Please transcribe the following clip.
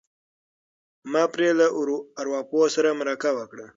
ما پرې له ارواپوه سره مرکه وکړه.